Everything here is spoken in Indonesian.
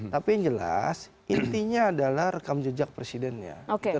tapi yang jelas intinya adalah rekam jejak presidennya